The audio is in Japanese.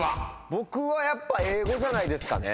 僕はやっぱ英語じゃないですかね。